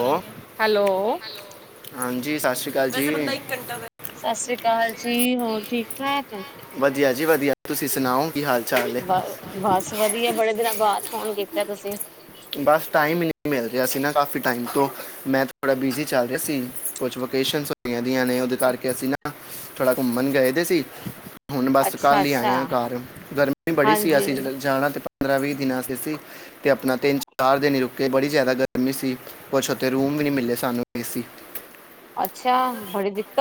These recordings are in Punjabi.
ਓ ਹੈਲੋ। ਹਾਂਜੀ ਸਤਿ ਸ੍ਰੀ ਅਕਾਲ ਜੀ। ਸਤਿ ਸ੍ਰੀ ਅਕਾਲ ਜੀ ਹੋਰ ਠੀਕ ਠਾਕ? ਵਧੀਆ ਜੀ ਵਧੀਆ ਤੁਸੀਂ ਸੁਣਾਓ। ਕੀ ਹਾਲ ਚਾਲ ਹੈ ਬਸ ਬਸ ਵਧੀਆ ਬੜੇ ਦਿਨਾਂ ਬਾਅਦ ਫੋਨ ਕੀਤਾ ਤੁਸੀਂ ਬਸ ਟਾਈਮ ਹੀ ਨਹੀਂੀ ਮਿਲ ਰਿਹਾ ਸੀ ਨਾ। ਕਾਫੀ ਟਾਈਮ ਤੋਂ। ਮੈਂ ਥੋੜਾ ਬੀਜੀ ਚੱਲ- ਸੀ ਕੁਛ ਵੋਕੇਸ਼ਨਸ ਹੋਈਆਂ ਦੀਆਂ ਨੇ ਉਹਦੇ ਕਰਕੇ ਅਸੀਂ ਨਾ ਥੋੜਾ ਘੁੰਮਣ ਗਏ ਸੀ। ਹੁਣ ਬਸ ਅੱਛਾ ਕੱਲ ਹੀ ਅੱਛਾ ਆਏ ਹਾਂ ਘਰ ਗਰਮੀ ਬੜੀ ਸੀ ਹਾਂਜੀ ਅਸੀ ਜਾਣਾ ਤੇ ਪੰਦਰਾਂ ਵੀਹ ਦਿਨਾਂ ਆਸਰੇ ਸੀ ਤੇ ਆਪਣਾ ਤਿੰਨ ਘਰ ਦੇ ਨ ਰੁਕੇ ਬੜੀ ਜ਼ਿਆਦਾ ਗਰਮੀ ਸੀ ਕੁਝ ਉਥੇ ਰੂਮ ਵੀ ਨਹੀਂ ਮਿਲੇ ਸਾਨੂੰ ਏ ਸੀ। ਅੱਛਾ ਬੜੀ ਦਿਕਤ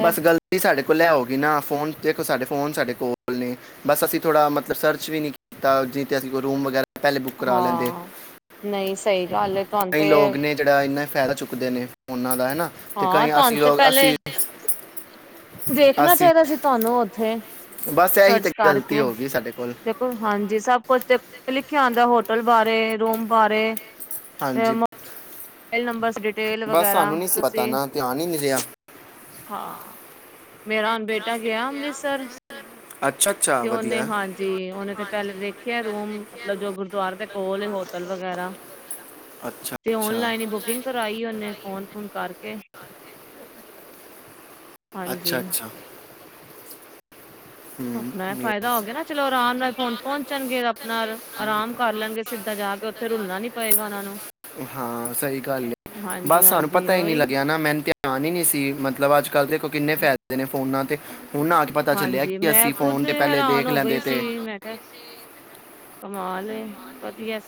ਬਸ ਗ਼ਲਤੀ ਸਾਡੇ ਕੋਲ ਇਹ ਹੋਗੀ ਨਾ ਫੋਨ ਦੇਖੋ ਸਾਡੇ ਫੋਨ ਸਾਡੇ ਕੋਲ ਨੇ ਬਸ ਅਸੀਂ ਥੋੜ੍ਹਾ ਮਤਲਬ ਸਰਚ ਵੀ ਨਹੀਂ ਕੀਤਾ ਜਿ ਤਾਂ ਅਸੀਂ ਕੋਈ ਰੂਮ ਵਗੈਰਾ ਪਹਿਲੇ ਬੁੱਕ ਕਰਾ ਲੈਂਦੇ ਹਾਂ ਨਹੀਂ ਸਹੀ ਗੱਲ ਏ ਤੁਹਾਨੂੰ ਕਈ ਤੇ ਲੋਕ ਨੇ ਜਿਹੜਾ ਇਨਾ ਫਾਇਦਾ ਚੁੱਕਦੇ ਨੇ। ਉਹਨਾਂ ਦਾ ਹਨਾ ਤੇ ਹਾਂ ਕਈ ਤੁਹਾਨੂੰ ਅਸੀਂ ਤੇ ਲੋਕ ਪਹਿਲੇ ਅਸੀਂ ਦੇਖਣਾ ਅਸੀਂ ਚਾਹੀਦਾ ਸੀ ਤੁਹਾਨੂੰ ਉੱਥੇ। ਬਸ ਇਹੀ ਸਰਚ ਤੇ ਗਲਤੀ ਕਰਕੇ ਹੋ ਗਈ ਸਾਡੇ ਕੋਲ ਦੇਖੋ ਹਾਂਜੀ ਸਭ ਕੁਛ [inaudible] ਆਉਂਦਾ ਹੋਟਲ ਬਾਰੇ ਰੂਮ ਬਾਰੇ। ਹਾਂਜੀ। ਮੋਬਾਇਲ ਨੰਬਰ ਬਰ ਡਿਟੇਲ ਬਸ ਵਗੈਰਾ ਸਾਨੂੰ ਨਹੀਂ ਸੀ ਪਤਾ ਤੁਸੀਂ ਨਾ ਧਿਆਨ ਹੀ ਨਹੀਂ ਰਿਹਾ ਹਾਂ। ਮੇਰਾ ਹੁਣ ਬੇਟਾ ਗਿਆ ਅੰਮ੍ਰਿਤਸਰ ਅੱਛਾ ਅੱਛਾ ਤੇ ਓਹਨੇ ਵਧੀਆ ਹਾਂਜੀ ਓਹਨੇ ਤੇ ਪਹਿਲੇ ਦੇਖਿਆ ਰੂਮ। ਮਤਲਬ ਜੋ ਗੁਰਦੁਆਰੇ ਦੇ ਕੋਲ ਏ ਹੋਟਲ ਵਗੈਰਾ। ਤੇ ਅੱਛਾ-ਅੱਛਾ ਔਨਲਾਈਨ ਹੀ ਬੁਕਿੰਗ ਕਰਾਈ ਓਨੇ ਫੋਨ-ਫੂਨ ਕਰਕੇ। ਹਾਂਜੀ ਅੱਛਾ-ਅੱਛਾ ਆਪਣਾ ਇਹ ਫਾਇਦਾ ਹੋ ਗਿਆ ਨਾ। ਚਲੋ ਆਰਾਮ ਨਾਲ ਹੁਣ ਪਹੁੰਚਣਗੇ ਨਾਲ ਆਰਾਮ ਕਰ ਲੈਣਗੇ ਸਿੱਧਾ ਜਾ ਉੱਥੇ ਰੁਲਣਾ ਨੀ ਪਏਗਾ ਉਹਨਾ ਨੂੰ। ਹਾਂ ਸਹੀ ਗੱਲ ਹੈ ਹਾਂਜੀ ਬਸ ਸਾਨੂੰ ਹਾਂਜੀ ਪਤਾ ਹੀ ਨਹੀਂ ਉਹੀ ਲੱਗਿਆ ਨਾ ਮੈਨੂੰ ਧ ਧਿਆਨ ਨਹੀਂ ਸੀ ਮਤਲਬ ਅੱਜ ਕੱਲ ਦੇ ਕੋਲ ਕਿੰਨੇ ਫਾਇਦੇ ਨੇ ਫੋਨਾਂ [unintelligible] ਹੁਨ ਆ ਕੇ ਪਤਾ ਚੱਲਿਆ ਹਾਂਜੀ ਕਿ ਮੈਂ ਅਸੀਂ ਖੁਦ ਫੋਨ ਤੇ ਪਹਿਲੇ ਹੈਰਾਨ ਦੇਖ ਹੋ ਗਈ ਲੈਂਦੇ ਸੀ ਤੇ ਮੈਂ ਕਿਹਾ ਕਮਾਲ ਏ ਵਧੀਆ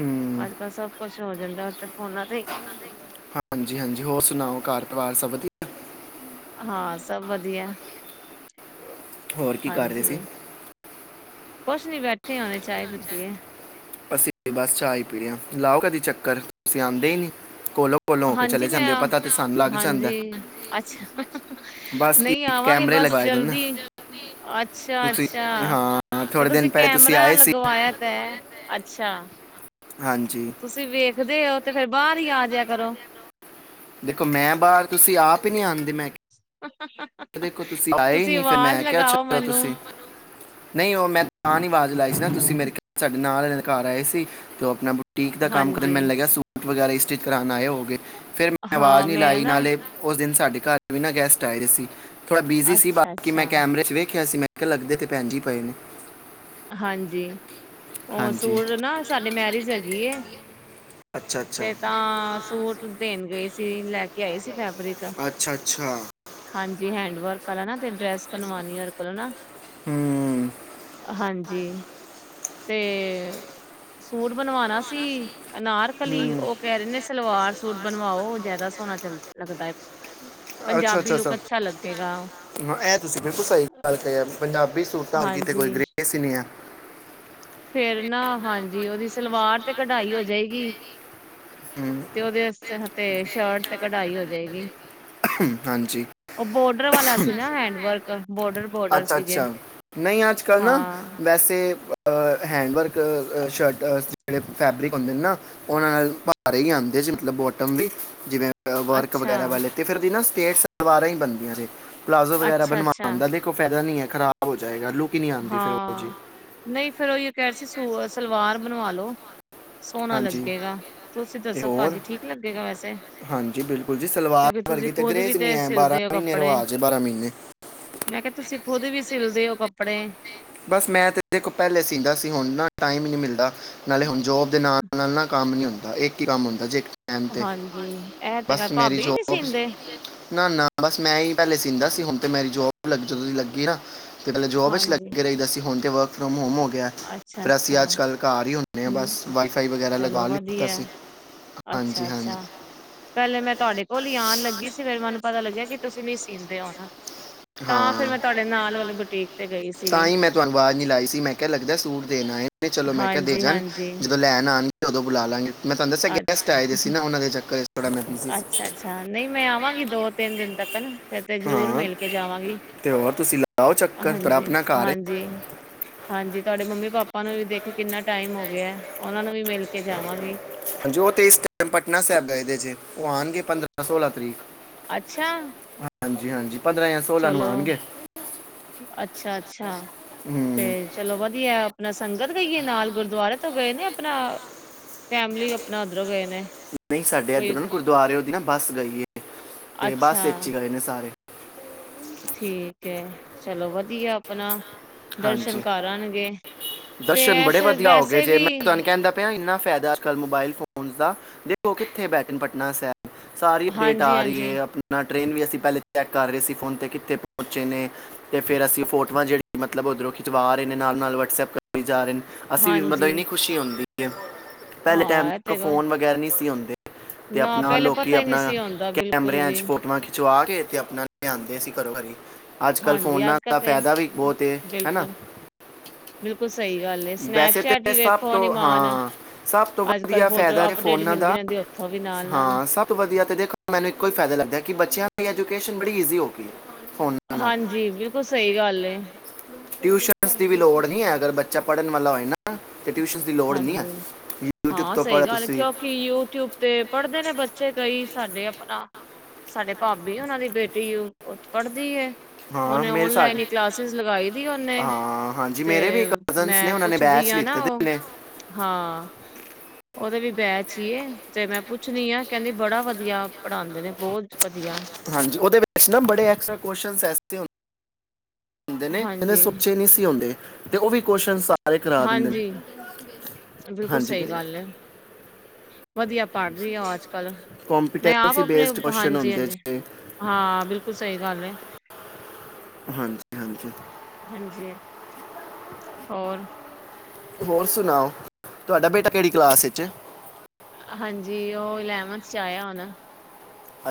ਹੂੰ ਅੱਜ ਕੱਲ ਸਭ ਕੁਛ ਹੋ ਜਾਂਦਾ। ਤੇ ਫੋਨਾਂ ਤੇ ਹੀ ਹਾਂਜੀ ਹਾਂਜੀ ਹੋਰ ਸੁਣਾਓ ਘਰ ਬਾਰ ਸਭ ਵਧੀਆ ਹਾਂ ਸਭ ਵਧੀਆ ਹੋਰ ਕੀ ਕਰ ਰਹੇ ਹਾਂਜੀ ਸੀ ਕੁਛ ਨੀ ਬੈਠੇ ਉਠੀ ਆ ਚਾਹ ਪੀਤੀ ਹੈ ਹਲੇ ਅਸੀਂ ਬਸ ਚਾਹ ਹੀ ਪੀ ਰਹੇ ਹਾਂ ਲਾਓ ਕਦੀ ਚੱਕਰ ਤੁਸੀਂ ਆਦੇ ਹੀ ਨਹੀਂ ਕੋਲੋਂ ਕੋਲੋਂ ਹੋ ਕੇ ਹਾਂਜੀ ਚਲੇ ਮੈਂ ਜਾਂਦੇ ਹੋ ਪਤਾ ਤੇ ਸਾਨੂੰ ਲੱਗ ਜਾਂਦਾ ਹਾਂਜੀ ਹੈ। ਅੱਛਾ ਬਸ ਕੀ ਨਹੀਂ ਆਵਾਂਗੇ ਕੈਮਰੇ ਬਸ ਲਗਵਾਏ ਦੇਣ ਨਾ ਜਲਦੀ ਅੱਛਾ ਤੁਸੀਂ ਅੱਛਾ ਹਾਂ ਤੇ ਥੋੜੇ ਦਿਨ ਤੁਸੀਂ ਪਹਿਲੇ ਕੈਮਰਾ ਆਏ ਸੀ ਲਗਵਾਇਆ ਤਾਂ ਅੱਛਾ ਹਾਂਜੀ ਤੁਸੀਂ ਵੇਖਦੇ ਹੋ ਤੇ ਫੇਰ ਬਾਹਰ ਹੀ ਆ ਜਿਆ ਕਰੋ ਦੇਖੋ ਮੈਂ ਬਾਹਰ ਤੁਸੀਂ ਆਪ ਹੀ ਨਹੀਂ ਆਂਦੇ ਮੈਂ ਦੇਖੋ ਤੁਸੀਂ ਆਏ ਨਹੀਂ ਫਿਰ ਆਵਾਜ਼ ਮੈਂ ਲਗਾਓ ਕਿਹਾ ਮੈਨੂੰ ਤੁਸੀਂ ਨਹੀਂ ਉਹ ਮੈਂ ਤਾਂ ਨ ਆਵਾਜ਼ ਲਾਈਸ ਨਾ ਤੁਸੀ [unintelligible] ਨਾਲ [unintelligible] ਘਰ ਆਏ ਸੀ ਤੇ ਆਪਣਾ ਬੁਟੀਕ ਦਾ ਕੰਮ ਕਰਨ ਹਾਂਜੀ। ਮੈਨ ਲੱਗਿਆ ਸੂ ਵਗੈਰਾ ਹੀ ਸਟਿਚ ਕਰਾਣ ਆਏ ਹੋ ਗਏ ਫੇਿਰ ਮੈਂ ਆਵਾਜ਼ ਹਾਂ ਨਹੀਂੀ ਮੈਂ ਲਾਈ ਨਾ ਨਾਲੇ ਉਸ ਦਿਨ ਸਾਡੇ ਮ ਘਰ ਬਿਨਾਂ ਗੈਸਟ ਆਏ ਰਹੇ ਸੀ ਥੋੜਾ ਬਿਜ਼ੀ ਸੀ ਬਾਕੀ ਮੈਂ ਅੱਛਾ-ਅੱਛਾ ਕੈਮਰੇ ਚ ਵੇਖਿਆ ਸੀ ਮੈਂ ਲੱਗਦੇ ਤੇ ਪੈਣ ਜ ਹੀ ਪਏ ਨੇ। ਹਾਂਜੀ। ਉਹ ਹਾਂਜੀ ਸੂਰ ਨਾ ਸਾਡੇ ਮੈਰਿਜ ਹੈਗੀ। ਅੱਛਾ ਅੱਛਾ ਤੇ ਤਾਂ ਸੂਟ ਦੇਣ ਗਏ ਸੀ ਲੈ ਕੇ ਅੱਛਾ [unintelligible] ਅੱਛਾ ਹਾਂਜੀ ਹੈਂਡਵਰਕ ਵਾਲਾ ਨਾ ਤੇ ਡਰੈਸ ਬਣਵਾ। [unintelligible] ਹਮ। ਹਾਂਜੀ ਤੇ ਸੂਟ ਬਣਵਾਣਾ ਸੀ। ਅਨਾਰਕਲੀ ਹੂੰ ਉਹ ਕਹਿ ਰਹੇ ਨੇ ਸਲਵਾਰ। ਸੂਟ ਬਣਵਾਓ ਉਹ ਜਿਆਦਾ ਸੋਹਣਾ ਚ ਲੱਗਦਾ ਹੈ। ਅੱਛਾ ਪੰਜਾਬੀ ਅੱਛਾ ਲੁੱਕ ਅੱਛਾ ਲੱਗੇਗਾ ਇਹ ਤੁਸੀਂ ਬਿਲਕੁਲ ਸਹੀ ਗੱਲ ਕ ਪੰਜਾਬੀ ਸੂਟ। ਧਾਰ ਕੀਤੇ ਕੋਈ ਗ੍ਰੇਸ ਹੀ ਨਹੀਂ ਹੈ। [unintelligible] ਫੇਿਰ ਨਾ ਹਾਂਜੀ ਉਹਦੀ ਸਲਵਾਰ ਤੇ ਕਢਾਈ ਹੋ ਜਾਏਗੀ। ਹਮ, ਤੇ ਉਹ [unintelligible] ਤੇ ਸ਼ਰਟ ਤੇ ਕਢਾਈ ਹੋ ਜਾਏਗੀ ਹਾਂਜੀ ਉਹ ਬੋਰਡਰ ਵਾਲਾ ਸੀ ਨਾ ਹੈਂਡ ਵਰਕ ਬੋਰਡਰ ਬੋਰਡਰ ਅੱਛਾ ਸੀਗੇ ਅੱਛਾ ਨਹੀਂ ਅੱਜ ਕਲ ਨਾ ਹਾਂ ਵੈਸੇ ਹੈਂਡਵਰਕ ਸ਼ਰਟ ਜਿਹੜੇ ਫੈਬਰਿਕ ਹੁੰਦੇ ਨੇ ਨਾ ਉਹਨਾਂ ਨਾਲ ਭਾਰੇ ਹੀ ਆਉਂਦੇ ਸੀ। ਮਤਲਬ ਬੋਟਮ ਵੀ ਜਿਵੇਂ ਵਰਕ ਅੱਛਾ ਵਗੈਰਾ ਵਾਲੇ। ਫਿਰ ਦੀ ਨਾ ਸਟੇਟ ਸਲਵਾਰਾਂ ਹੀ ਬਣਦੀਆਂ ਨੇ। ਪਲਾਜ਼ੋ ਵਗੈਰਾ ਅੱਛਾ ਬਣਵਾਉਣ ਅੱਛਾ ਦਾ ਕੋਈ ਫਾਇਦਾ ਨਹੀਂ ਹੈ। ਖਰਾਬ ਹੋ ਜਾਏਗਾ ਲੁੱਕ ਹੀ ਨਹੀਂ ਆਉਂਦੀ ਫਿਰ ਉਹ ਜੀ ਹਾਂ ਨਹੀਂ ਫਿਰ ਉਹ ਕਹਿ ਸਲਵਾਰ ਬਣਵਾਲੋ। ਸੋਹਣਾ ਹਾਂਜੀ ਲੱਗੇਗਾ ਤੁਸੀਂ ਤੇ ਦੱਸੋ ਹੋਰ ਭਾਜੀ ਠੀਕ ਲੱਗੇਗਾ ਵੈਸੇ ਹਾਂਜੀ ਬਿਲਕੁਲ ਜੀ ਸਲਵਾਰ ਕਿਉਂਕਿ ਤੁਸੀਂ ਵਰਗੀ ਤੇ ਖੁਦ ਵੀ ਗ੍ਰੇਸ ਨਹੀਂ ਤੇ ਹੈ ਸਿਲਦੇ ਹੋ ਮਹੀਨੇ ਕੱਪੜੇ ਰਿਵਾਜ ਹੈ ਮਹੀਨੇ ਮੈਂ ਕਿਹਾ ਤੁਸੀਂ। ਉਹਦੇ ਵੀ ਸਿਲਦੇ ਹੋ। ਕੱਪੜੇ। ਬਸ ਮੈਂ ਤੇ ਇਹਦੇ ਕੋਲ ਪਹਿਲੇ ਸੀਦਾ ਸੀ ਹੁਣ ਨਾ ਟਾਈਮ ਹੀ ਨਹੀਂ ਮਿਲਦਾ। ਨਾਲੇ ਹੁਣ ਜੋਬ ਦੇ ਨਾਲ ਨਾਲ ਨਾ ਕੰਮ ਨਹੀਂ ਹੁੰਦਾ। ਇੱਕ ਹੀ ਕੰਮ ਹੁੰਦਾ ਜੇ ਹਾਂਜੀ ਇਹ ਤੇ ਗੱਲ ਬਸ ਮੇਰੀ ਭਾਬੀ ਨੀ ਜੋਬ ਸੀਂਦੇ ਨਾ ਨਾ ਬਸ ਮੈਂ ਹੀ ਪਹਿਲੇ ਸੀਂਦਾ ਸੀ। ਹੁਣ ਤੇ ਮੇਰੀ ਜੋਬ ਲੱਗ ਜਦੋਂ ਦੀ ਲੱਗੀ ਨਾ [unintelligible] [unintelligible] ਹਾਂਜੀ [unintelligible] ਅੱਛਾ ਫਿਰ ਅਸੀਂ ਅੱਛਾ ਅੱਜ ਕੱਲ ਘਰ ਹੀ ਹੁੰਦੇ। ਹਮ ਚਲੋ ਵਧੀਆ ਸੀ ਅੱਛਾ ਹਾਂਜੀ ਹਾਂਜੀ ਅੱਛਾ ਪਹਿਲੇ ਮੈਂ ਤੁਹਾਡੇ ਕੋਲ ਹੀ ਆਉਣ ਲੱਗੀ। ਫਿਰ ਮੈਨੂੰ ਪਤਾ ਲੱਗਿਆ ਕਿ ਤੁਸੀਂ ਨਹੀਂ ਸਿੰਦੇ ਹੁਣ। ਹਾਂ ਬੁਟੀਕ ਤੇ ਗਈ ਤਾਂ ਸੀਗੀ ਹੀ ਮੈਂ ਤੁਹਾਨੂੰ ਅਵਾਜ਼ ਨੀ ਲਾਈ ਸੀ ਮੈਂ ਕਿਹਾ ਲੱਗਦਾ ਸੂਟ ਦੇਣ ਆਏ ਨੇ ਚਲੋ ਮੈਂ ਹਾਂਜੀ ਕਿਹਾ। ਹਾਂਜੀ ਜਦੋਂ ਲੈਣ ਆਉਣ। ਉਦੋਂ ਬੁਲਾ ਲਾਂਗੇ। ਮੈਂ ਤੁਹਾਨੂੰ ਦੱਸਿਆ ਗੈਸਟ ਅੱਛਾ ਆਏ ਦੇ ਸੀ ਨਾ ਉਹਨਾਂ ਦੇ ਚੱਕਰ ਚ ਥੋੜਾ ਮੈਂ ਬੀਜੀ ਸੀ। ਅੱਛਾ ਅੱਛਾ ਨਹੀਂ ਮੈਂ ਆਵਾਂਗੀ ਦੋ ਤਿੰਨ ਦਿਨ ਤੱਕ। ਫਿਰ ਤੇ ਜਰੂਰ ਹਾਂ ਮਿਲ ਕੇ ਜਾਵਾਂਗੀ। ਤੇ ਹੋਰ ਤੁਸੀਂ ਲਾਓ ਚੱਕਰ ਤੁਹਾਡਾ ਹਾਂਜੀ ਆਪਣਾ ਘਰ ਹੈ ਹਾਂਜੀ ਹਾਂਜੀ। ਤੁਹਾਡੇ ਮੰਮੀ ਪਾਪਾ ਨੂੰ ਵੀ ਦੇਖਿਆ ਕਿੰਨਾ ਟਾਈਮ ਹੋ ਗਿਆ ਉਹਨਾ ਨੂੰ ਵੀ ਮਿਲ ਕੇ ਜਾਵਾਂਗੀ। ਉਹ ਤੇ ਇਸ ਤੇ ਪਟਨਾ ਸਾਹਿਬ ਗਏ ਦੇ ਕਉਹ ਆਉਣਗੇ ਪੰਦਰਾਂ ਸੋਲਾਂ ਤਰੀਕ। ਅੱਛਾ ਹਾਂਜੀ ਹਾਂਜੀ ਜਾਂ ਨੂੰ ਚਲੋ ਆਣਗੇ ਅੱਛਾ ਅੱਛਾ ਹੂੰ ਤੇ ਚਲੋ ਵਧੀਆ ਆਪਣਾ ਸੰਗਤ ਗਈ ਏ। ਨਾਲ ਗੁਰਦੁਆਰੇ ਤੋਂ ਗਏ ਨੇ, ਆਪਨਾ ਫੈਮਿਲੀ ਆਪਨਾ ਉੱਧਰੋਂ ਗਏ ਨੇ। ਨਈ ਸਾਡੇ ਕੋਈ ਇੱਧਰੋ ਨਾ ਗੁਰਦੁਆਰੇ। ਨਾ ਬੱਸ ਗਈਏ। ਇਹ ਅੱਛਾ ਬਸ ਏਚ ਈ ਗਏ ਨੇ ਸਾਰੇ। ਠੀਕ ਏ ਚਲੋ ਵਧੀਆ ਆਪਨਾ। ਦਰਸ਼ਨ ਹਾਂਜੀ ਕਰਅਨਗੇ। ਦਰਸ਼ਨ ਬੜੇ ਵਧੀਆ ਹੋ ਗਏ ਜੇ ਮੈਂ ਤੁਹਾਨੂੰ ਕੇਂਦਾ ਪਿਆ ਇਨਾ। ਫਾਇਦਾ ਕਲ ਮੋਬਾਇਲ ਫੋਨਸ ਦਾ ਦੇਖੋ ਕਿੱਥੇ ਬੈਠਨ ਪਟਨਾ ਸੇ। ਸਾਰੀ ਅਪਡੇਟ ਹਾਂਜੀ ਆ ਰਹੀ ਹਾਂਜੀ ਏ ਆਪਨਾ। ਟ੍ਰੇਨ ਵੀ ਅਸੀਂ ਪਹਿਲੇ ਚੈੱਕ ਕਰ ਰੇ ਸੀ ਫੋਨ ਤੇ ਕਿੱਥੇ ਪਹੁੰਚੇ ਨੇ। ਤੇ ਫਿਰ ਅਸੀਂ ਫੋਟੋਆਂ ਜਿਹੜੀ ਮਤਲਬ ਉੱਧਰੋਂ ਖਿਚਵਾ ਰੇ ਨੇ ਨਾਲ, ਨਾਲ ਵੱਟਸਐਪ ਕਰ। [unintelligible] ਅਸੀਂ ਵੀ ਮਤਲਬ ਹਾਂਜੀ ਇੰਨੀ ਖੁਸ਼ੀ ਹੁੰਦੀ। [inaudible] ਪਹਿਲੇ ਟਾਈਮ ਹਾਂ ਇਹ ਤੱਕ ਤੇ ਗ ਫੋਨ ਵਗੈਰਾ ਨੀ ਸੀ ਹੁੰਦੇ। ਤੇ ਨਾ ਆਪਨਾ ਪਹਿਲੇ ਲੋਕੀ ਪਤਾ ਹੀ ਨਹੀਂ ਆਪਨਾ ਸੀ ਹੁੰਦਾ ਬਿਲਕੁਲ ਕੈਮਰਿਆਂ ਵੀ ਚ ਫੋਟੋਆਂ ਖਿਚਵਾ ਘੇਰ ਤੇ ਆਪਨਾ ਲਿਆਂਂਦੇ ਸੀ ਘਰੋ ਹਰੀ। ਅੱਜ ਕੱਲ੍ਹ ਹਾਂਜੀ ਫੋਨਾਂ ਅੱਜ ਕੱਲ ਦਾ ਤੇ ਫਾਇਦਾ ਵੀ ਬਹੁਤ ਏ, ਹੇਨਾ। ਬਿਲਕੁਲ ਬਿਲਕੁਲ ਸਹੀ ਗੱਲ ਏ। ਸਨੈਪਚੈਟ ਈ ਵੇਖੋ ਨੀ ਤੋਂ ਮਾਨ। ਹਾਂ ਸਭ ਤੋਂ ਅੱਜ ਕੱਲ ਵਧੀਆ ਫੋਟੋ ਫਾਇਦਾ ਇਹ ਅਪਡੇਟ ਫੋਨਾਂ ਮਿਲਦੀ ਦਾ ਰਹਿੰਦੀ ਓਥੋਂ ਵੀ ਨਾਲ, ਨਾਲ। ਹਾਂ ਸਭ ਤੋਂ ਵਧੀਆ ਤੇ ਦੇਖੋ ਮੈਨੂੰ ਇੱਕੋ ਫਾਇਦਾ ਲੱਗਦਾ ਏ ਕਿ ਬੱਚਿਆਂ ਦੀ ਐਜੂਕੇਸ਼ਨ ਬੜੀ ਈਜ਼ੀ ਹੋ ਗਈ ਏ। ਹਾਂਜੀ ਬਿਲਕੁਲ ਸਹੀ ਗੱਲ ਏ। ਟਿਊਸ਼ਨ ਸ ਦੀ ਵੀ ਲੋੜ ਨੀ ਹੈ ਅਗਰ ਬੱਚ ਬੱਚਾ ਪੜਨ ਵਾਲਾ ਹੋਏ ਨਾ ਤੇ ਟਿਊਸ਼ਨਸ ਦੀ ਲੋੜ ਨਹੀਂ ਹੈ ਹਾਂਜੀ, ਹਾਂ ਤੋਂ ਪੜ੍ਹ ਸਹੀ ਗੱਲ ਏ ਤੁਸੀਂ ਕਿਉਂਕਿ ਯੂ ਟਿਊਬ ਤੇ ਪੜ੍ਹਦੇ ਨੇ ਬੱਚੇ ਕਈ ਸਾਡੇ ਅਪਨਾ, ਸਾਡੇ ਭਾਬੀ ਉਹਨਾਂ ਦੀ ਬੇਟੀ ਉਹ ਪੜਦੀ ਏ। ਹਾਂ ਔਣੇ ਮੇਰੇ ਸਾਥ ਔਨਲਾਈਨ ਹੀ ਕਲਾਸਿਸ ਲਗਾਈ ਦੀ ਔਨੇ, ਹਾਂ ਹਾਂਜੀ ਤੇ ਮੇਰੇ ਵੀ ਕਜ਼ਨਸ ਨੇ ਮੈਂ ਉਹਨਾਂ ਨੇ ਪੁੱਛਦੀ ਬੈਚ ਆ ਨਾ ਲਿੱਤੇ ਦੇ ਉਹ ਨੇ ਹਾਂ। ਉਹਦੇ ਵੀ ਬੈਚ ਹੀ ਏ, ਤੇ ਮੈਂ ਪੁੱਛਨੀ ਆ ਕਹਿੰਦੀ ਬੜਾ ਵਧੀਆ ਪੜ੍ਹਾਦੇ ਨੇ। ਬੋਤ ਹਾਂਜੀ ਉਹਦੇ ਵਿੱਚ ਨਾ ਬੜੇ ਐਕਸਟ੍ਰਾ ਕੁਯੋਸ਼ਚਨਸ ਏਸੇ ਹੋਂਦੇ ਹੁੰਦੇ ਨੇ ਇਹਨੇ ਹਾਂਜੀ ਸੋਚੇ ਨੀ ਸੀ ਹੁੰਦੇ। ਤੇ ਉਹ ਵੀ ਕੋਸ਼ਨਸ ਆ ਅਰੇ ਕਰਾ ਦਿੰਦੇ ਨੇ। ਹਾਂਜੀ ਬਿਲਕੁਲ ਹਾਂਜੀ ਸਹੀ ਕਿ- ਗੱਲ ਏ। ਵਧੀਆ ਪੜ੍ਹ ਰਹੀ ਔ ਅੱਜ ਕੱਲ੍ਹ, ਮੈਂ ਆਪ ਕੰਪੀਟੈਂਸੀ ਅਪਣੇ ਬੇਸਡ ਕੁਐਸਚਨ ਹਾਂਜੀ, ਹੁੰਦੇ ਹਾਂਜੀ ਜੀ ਹਾਂ, ਬਿਲਕੁਲ ਸਹੀ ਗੱਲ ਐ। [inaudible] ਹਾਂਜੀ, ਹਾਂਜੀ। ਹਾਂਜੀ। ਹੋਰ ਹੋਰ ਸੁਣਾਓ, ਤੁਹਾਡਾ ਬੇਟਾ ਕਿਹੜੀ ਕਲਾਸ ਇੱਚ। ਹਾਂਜੀ, ਉਹ ਇਲੈਵੰਥ ਚ ਆਇਆ ਹੁਣ।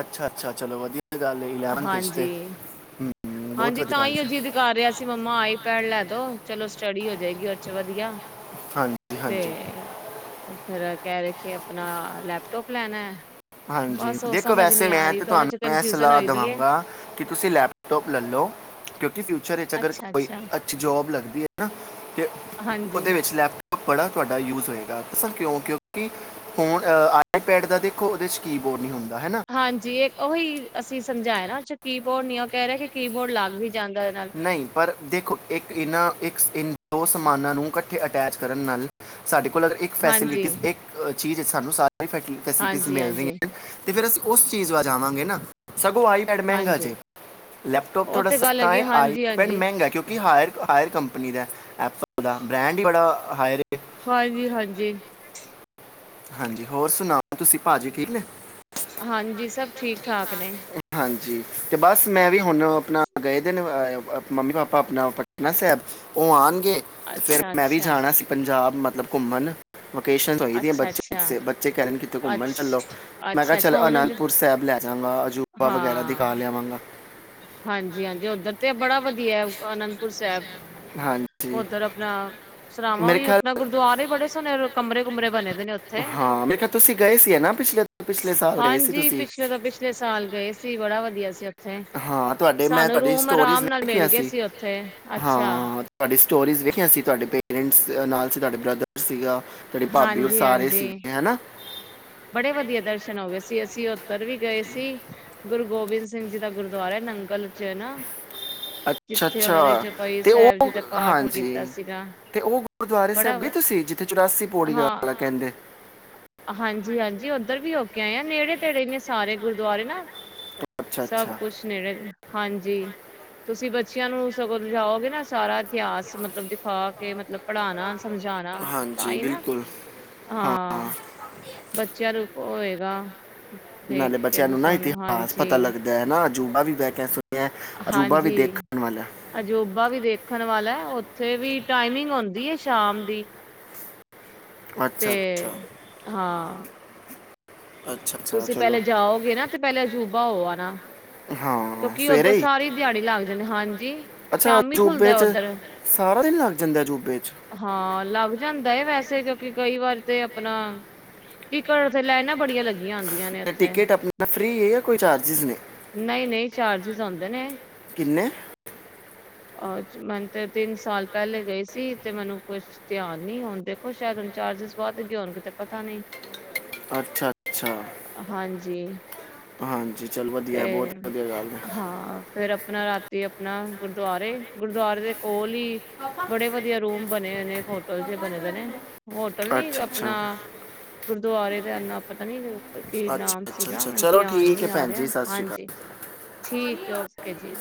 ਅੱਛਾ, ਅੱਛਾ ਚਲੋ ਵਧੀਆ। ਗੱਲ ਹੈ ਵਿੱਚ ਤੇ ਹਾਂਜੀ, ਹਮ, ਬਹੁਤ ਹਾਂਜੀ ਵਧੀਆ ਤਾਂ ਗੱਲ ਹੀ ਔ ਹੈ ਜਿਦ ਕਰ ਰਿਹਾ ਸੀ ਮੰਮਾ ਆਈਪੈਡ ਲੈ ਦੋ ਚਲੋ ਸਟੱਡੀ ਹੋ ਜਾਏਗੀ ਉਰੇ ਚ ਵਧੀਆ। ਹਾਂਜੀ ਤੇ ਹਾਂਜੀ ਔ ਫੇਰ ਏ ਕਹਿ ਰਹੇ ਕੇ ਅਪਣਾ ਲੈਪਟੋਪ ਲੈਣਾ ਹਾਂਜੀ, ਬਸ ਉਹ ਦੇਖੋ ਸਮਝ ਵੈਸੇ ਨੀ ਆ ਮੈਂ ਰਹੀ ਤੇ ਦੋਨਾਂ ਚ ਤੁਹਾਨੂੰ ਏਹ ਸਲ ਕਨਫਿਊਜਨ ਲਾ ਹੋਈ ਦੀ ਏ, ਦੇਵਾਂਗਾ ਕਿ ਤੁਸੀਂ ਲੈਪਟੋਪ ਲਲੋ ਕਿਉਂਕਿ ਫਿਯੁ ਫਿਯੁਚਰ ਚ ਅਗਰ ਕੋਈ ਅੱਛਾ-ਅੱਛਾ, ਅੱਛੀ ਜੋਬ ਲੱਗਦੀ ਏਨਾਂ ਤੇ ਹਾਂਜੀ। ਉਹਦੇ ਵਿੱਚ ਲੈਪਟਾਪ ਬੜਾ ਤੁਹਾਡਾ ਯੂਜ ਹੋਏਗਾ, ਦੱਸਾਂ ਕਿਉਂ? ਕਿਉਂਕਿ ਹੁਣ ਆਈਪੈਡ ਦਾ ਤੇ ਦੇਖੋ ਉਹਦੇ ਚ ਕੀਬੋਰਡ ਨ੍ਹੀਂ ਹੁੰਦਾ। ਹਾਂਜੀ, ਇਹ ਉਹੀ ਅਸੀਂ ਸਮਝਾਏ ਨਾ ਕੀ ਬੋਰਡ ਨੀ ਉਹ ਕਹਿ ਰਿਹਾ ਕਿ ਕੀਬੋਰਡ ਲੱਗ ਵੀ ਜਾਂਦਾ ਉਹਦੇ ਨਾਲ ਨਈਂ ਪਰ ਦੇਖੋ ਇੱਕ ਇਹਨਾਂ ਇੱਕ ਇਨ ਦੋ ਸਮਾਨਾਂ ਨੂੰ ਇਕੱਠੇ ਅਟੈਚ ਕਰਨ ਨਾਲ ਸਾਡੇ ਕੋਲ ਅਗਰ ਇੱਕ ਹਾਂਜੀ, ਫੈਸਿਲਿਟੀਜ਼ ਇੱਕ ਚੀਜ਼ ਸਾਨੂੰ ਸ ਫੈਸਿਲਿਟੀ ਹਾਂਜੀ, ਮਿਲ ਹਾਂਜੀ, ਰਹੀਆਂ। ਅਤੇ ਫਿਰ ਅਸੀਂ ਉਸ ਚੀਜ਼ ਵੱਲ ਜਾਵਾਂਗੇ ਨਾ ਸਗੋਂ ਆਈ ਪੈਡ ਮਹਿੰਗਾ ਹਾਂਜੀ ਜੇ ਲੈਪਟੋਪ ਉਹ ਥੋੜਾ ਤੇ ਗੱਲ ਸਸਤਾ ਹੈਗੀ ਐ। ਹਾਂਜੀ, ਪੈਡ ਹਾਂਜੀ। ਮਹਿੰਗਾ ਕਿਉਂਕਿ ਕਿ ਹਾਇਰ ਹਾਇਰ ਕੰਪਨੀ ਦਾ ਐਪਲ ਦਾ ਬ੍ਰੈਂਡ ਹੀ ਬੜਾ ਹਾਇਰ ਹੈ ਹਾਂਜੀ ਹਾਂਜੀ। ਹਾਂਜੀ ਹੋਰ ਸੁਣਾਓ? ਤੁਸੀਂ ਭਾਜੀ ਠੀਕ ਨੇ? ਹਾਂਜੀ ਸਭ ਠੀਕ। ਠਾਕਦੇ। ਹਾਂਜੀ ਤੇ ਬਸ ਮੈਂ ਵੀ ਹੁਣ ਆਪਣਾ ਗਏ ਦੇ ਨੇ ਮੰਮੀ-ਪਾਪਾ ਆਪਣਾ ਪਟਨਾ ਸਾਹਿਬ ਉਹ ਆਉਣ ਫੇਰ ਅੱਛਾ, ਮੈਂ ਵੀ ਅੱਛਾ। ਜਾਣਾ ਸੀ ਪੰਜਾਬ ਮਤਲਬ ਘੁੰਮਣ। ਵੋਕੇਸ਼ਨ ਹੋਈ ਪਈ ਹੈ ਅੱਛਾ, ਅੱਛਾ, ਬੱਚੇ ਬੱਚੇ ਕਹਿ ਅੱਛ ਘੁੰਮਣ ਚੱਲੋ, ਮੈਂ ਕਿਹਾ ਅੱਛਾ, ਚਲ ਅੱਛਾ ਹੁਣ ਆਨੰਦਪੁਰ ਸਾਹਿਬ ਲੈ ਜਾਗਾ। ਜੁਬਾ ਵਗੈਰਾ ਦਿਖਾ ਹਾਂ ਲਿਆਵਾਂਗਾ। ਹਾਂਜੀ -ਹਾਂਜੀ, ਓਧਰ ਤੇ ਬੜਾ ਵਧੀਆ ਐ ਅਨੰਦਪੁਰ ਸਾਹਿਬ। ਹਾਂਜੀ ਉੱਧਰ ਆਪਣਾ ਸਰਾਵਾਂ ਮੇਰੇ ਵੀ ਖਿਆਲ ਆਪਣਾ ਗੁਰਦੁਆਰੇ ਬੜੇ [inaudible] ਕਮਰੇ -ਕੁਮਰੇ ਬਣੇ ਪਏ ਨੇ ਉੱਥੇ, ਹਾਂ ਮੇਰੇ ਖਿਆਲ ਤੁਸੀਂ ਗਏ ਸੀ ਹੈ ਨਾ ਪਿਛਲੇ ਪਿਛਲੇ ਸਾਲ ਗਏ ਸੀ ਹਾਂਜੀ ਤੁਸੀਂ ਪਿਛਲੇ ਤੋਂ ਪਿਛਲੇ ਸਾਲ ਗਏ ਸੀ। ਬੜਾ ਵਧੀਆ ਸੀ ਉੱਥੇ। ਹਾਂ ਤੁਹਾਡੇ ਮੈਂ ਸਾਨੂੰ ਤੁਹਾਡੀ ਰੂਮ ਸਟੋਰੀ ਆਰਾਮ ਨਾਲ ਵੇਖਿਆ ਮਿਲ ਗਏ ਸੀ ਉੱਥੇ ਅੱਛਾ ਹਾਂ ਤੁ ਸਟੋਰੀਜ਼ ਵੇਖਿਆ ਸੀ ਤੁਹਾਡੇ ਪੇਰੈਂਟਸ ਨਾਲ ਸੀ, ਤੁਹਾਡੇ ਬ੍ਰਦਰ ਸੀਗਾ ਤੁਹਾਡੀ ਭਾਬੀ ਔਰ ਹਾਂਜੀ, ਸਾਰੇ ਹਾਂਜੀ। ਸੀਗੇ ਹਨਾ ਬੜੇ ਵਧੀਆ ਦਰਸ਼ਨ ਹੋ ਗਏ ਸੀ, ਅਸੀਂ ਉੱਧਰ ਵੀ ਗਏ ਸੀ, ਗੁਰੂ ਗੋਬਿੰਦ ਸਿੰਘ ਜੀ ਦਾ ਗੁਰਦੁਆਰਾ ਐ ਨਾ ਨੰਗਲ ਚ ਹਨਾ। ਅੱਛਾ -ਅੱਛਾ ਤੇ ਜੀ ਉਹ ਦਾ ਪਾਠ ਕੀਤਾ ਹਾਂਜੀ ਸੀਗਾ ਤੇ ਉਹ ਗੁਰਦੁਆਰੇ ਬੜਾ ਸਾਹਿਬਗੇ ਤੁਸੀਂ ਜਿੱਥੇ ਚੁਰਾਸੀ ਪੌੜੀਆਂ ਵਾਲਾ ਹਾਂ ਕਹਿੰਦੇ। ਹਾਂਜੀ -ਹਾਂਜੀ ਉੱਧਰ ਵੀ ਹੋ ਕੇ ਆਏ ਆ ਨੇੜੇ -ਤੇੜੇ ਨੇ ਸਾਰੇ ਗੁਰਦੁਆਰੇ ਨਾ। ਅੱਛਾ ਸਭ ਅੱਛਾ ਕੁਛ ਨੇੜੇ ਹਾਂਜੀ ਤੁਸੀਂ ਬ। ਚਿਆਂ ਨੂੰ ਸਗੋਂ ਲਿ ਜਾਓਗੇ ਨਾ ਸਾਰਾ। ਇਤਿਹਾਸ ਮਤਲਬ ਦਿਖਾ। ਤੇ ਮਤਲਬ। ਪੜ੍ਹਾਉਣਾ, ਸਮਝਾਉਣਾ ਤਾਂ ਹਾਂਜੀ ਹੀ ਨਾ, ਬਿਲਕੁਲ ਹਾਂ। ਬੱਚਿਆਂ ਨੂੰ ਹੋਏਗਾ ਦੇਖ ਨਾਲੇ ਕੇ ਬੱਚਿਆਂ ਨੂੰ ਨਾ ਸੁਣ ਇਤਿਹਾਸ ਪਤਾ ਹਾਂਜੀ। ਲੱਗਦਾ ਹੈ ਨਾ ਅਜੂਬਾ ਵੀ ਬੈ ਕਆ ਸੂ। ਹਾਂਜੀ ਅਜੋਬਾ ਵੀ ਦੇਖਣ ਵਾਲਾ ਹੈ। ਉਥੇ ਵੀ ਟਾਈਮਿੰਗ ਹੁੰਦੀ ਹੈ ਸ਼ਾਮ ਦੀ। ਤੇ ਅੱਛਾ ਅੱਛਾ ਹਾਂ ਅੱਛਾ ਅੱਛਾ ਤੁਸੀਂ ਚਲੋ ਪਹਿਲੇ ਜਾਓਗੇ ਨਾ ਤੇ ਪਹਿਲੇ ਅਜੂਬਾ ਹੋ ਆ ਨਾ। ਹਾਂ ਕਿਉਂਕਿ ਉੱਧਰ ਸਵੇਰੇ ਹੀ ਸਾਰੀ ਦਿਹਾੜੀ ਲੱਗ ਜਾਂਦੇ ਹਾਂਜੀ ਅੱਛਾ ਸ਼ਾਮੀ ਜੂਬੇ ਖੁੱਲਦਾ 'ਚ ਉੱਧਰ ਸਾਰਾ ਦਿਨ ਲੱਗ ਜਾਂਦਾ ਜੂਬੇ 'ਚ ਹਾਂ ਲੱਗ। ਜਾਂਦਾ ਵੈਸੇ ਕਿਉਂਕਿ ਕਈ ਵਾਰ ਤੇ ਆਪਣਾ ਕਿਵਾਰ ਤੇ ਲਾਈਨਾਂ ਬੜੀਆਂ ਲੱਗੀਆਂ ਅਨ। ਟਿਕਟ ਆਪਣਾ ਫਰੀ ਹੈ ਜਾਂ ਕੋਈ ਚਾਰਜਿਸ ਨੇ। ਨਹੀਂ ਨਹੀਂ ਚਾਰਜਿਸ ਆਉਂਦੇ ਨੇ ਕਿੰਨੇ ਅ ਮੈਨੂੰ ਤੇ ਤਿੰਨ ਸਾਲ ਪਹਿਲੇ ਗਏ ਸੀ ਤੇ ਮੈਨੂੰ ਕੁਛ ਧਿਆਨ ਨੀ ਹੁਣ ਦੇਖੋ ਸ਼ਾਇਦ ਹੁਣ ਚਾਰਜਿਸ ਵੱਧ ਗ ਹੋਣ ਕਿਤੇ ਪਤਾ ਨਹੀਂ। ਅੱਛਾ ਅੱਛਾ ਹਾਂਜੀ ਹਾਂਜੀ ਚਲ ਤੇ ਵਧੀਆ ਬਹੁਤ ਵਧੀਆ ਗੱਲ ਹੈ ਹਾਂ ਫਿਰ ਆਪਣਾ ਰਾਤੀ ਆਪਣਾ। ਗੁਰਦੁਆਰੇ ਗੁਰਦੁਆਰੇ ਦੇ ਕੋਲ। ਵੀ ਬੜੇ ਵਧੀਆ ਰੂਮ ਬਣ ਨਏ ਨਏ ਹੋਟਲ ਜੇ ਬਣੇ ਰਹਿੰਨੇ ਹੋਟਲ ਨੀ ਅੱਛਾ ਆਪਣਾ ਅੱਛਾ ਗੁਰਦੁਆਰੇ। ਨਾ ਪਤਾ ਨੀ ਦਿ। ਕੀ ਅੱਛਾ ਨਾਮ ਅੱਛਾ ਸੀਗਾ ਅੱਛਾ ਮਨ ਚਲੋ ਧਿਆਨ ਠੀਕ ਨੀ ਹੈ ਆ ਭੈਣ ਰਿਹਾ ਜੀ ਸਤਿ ਸ਼੍ਰੀ ਅਕਾਲ ਹਾਂਜੀ। ਠੀਕ ਹੈ ਓਕੇ ਜੀ।